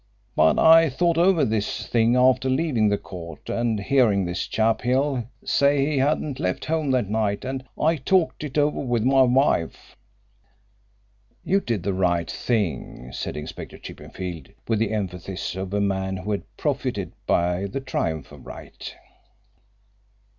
But I thought over this thing after leaving the court and hearing this chap Hill say he hadn't left home that night, and I talked it over with my wife " "You did the right thing," said Inspector Chippenfield, with the emphasis of a man who had profited by the triumph of right.